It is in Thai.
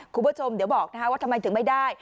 คุณผู้ชมเดี๋ยวบอกว่าทำไมถึงไม่ได้